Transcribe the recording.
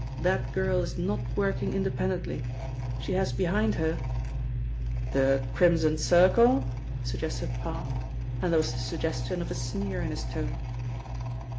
That girl is not working independently. She has behind her " "The Crimson Circle?" suggested Parr, and there was the suggestion of a sneer in his tone.